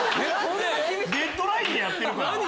デッドラインでやってるから。